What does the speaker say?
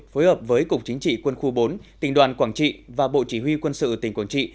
phối hợp với cục chính trị quân khu bốn tỉnh đoàn quảng trị và bộ chỉ huy quân sự tỉnh quảng trị